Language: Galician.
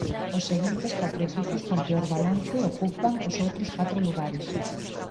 Os seguintes catro equipos con peor balance ocupan os outro catro lugares.